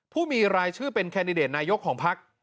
ผู้มีรายชื่อเป็นแคนดิเดตนายกของพัก